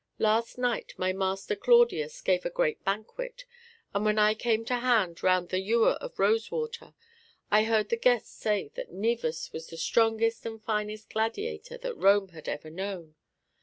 Last night my master Claudius gave a great banquet, and when I came to hand round the ewer of rose water, I heard the guests say that Naevus was the strongest and finest gladiator that Rome had ever known.